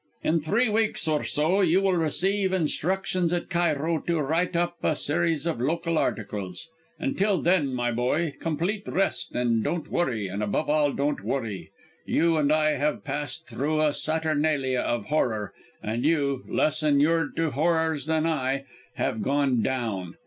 "In three weeks or so you will receive instructions at Cairo to write up a series of local articles. Until then, my boy, complete rest and don't worry; above all, don't worry. You and I have passed through a saturnalia of horror, and you, less inured to horrors than I, have gone down.